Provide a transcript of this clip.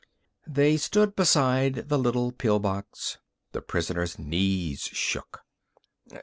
They stood beside the little pill box. The prisoner's knees shook.